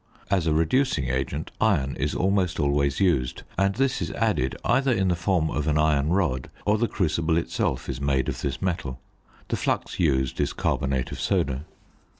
As a reducing agent iron is almost always used, and this is added either in the form of an iron rod, or the crucible itself is made of this metal. The flux used is carbonate of soda.